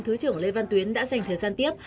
thứ trưởng lê văn tuyến đã dành thời gian tiếp